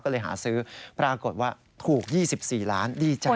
ก็เลยหาซื้อปรากฏว่าถูก๒๔ล้านดีใจ